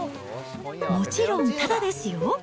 もちろんただですよ。